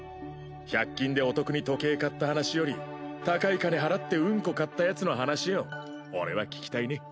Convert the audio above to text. １００均でお得に時計買った話より高い金払ってウンコ買ったヤツの話を俺は聞きたいね。